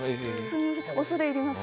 恐れ入ります。